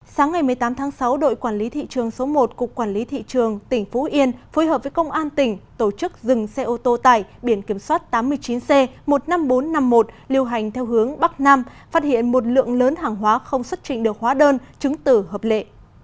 sáng ngày một mươi tám tháng sáu đội quản lý thị trường số một cục quản lý thị trường tỉnh phú yên phối hợp với công an tỉnh tổ chức dừng xe ô tô tải biển kiểm soát tám mươi chín c một mươi năm nghìn bốn trăm năm mươi một liều hành theo hướng bắc nam phát hiện một lượng lớn hàng hóa không xuất trình được hóa đơn chứng tử hợp lệ